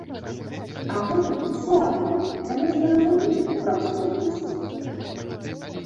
А гэтым усё адно, яны ж не разумеюць, пра што песні!